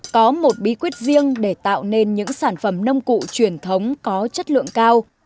có một bí quyết riêng để tạo nên những sản phẩm nông cụ truyền thống có chất lượng cao